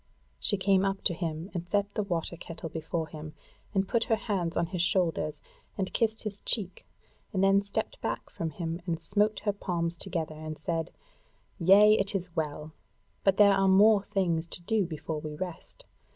She came up to him and set the water kettle before him, and put her hands on his shoulders, and kissed his cheek, and then stepped back from him and smote her palms together, and said: "Yea, it is well! But there are yet more things to do before we rest.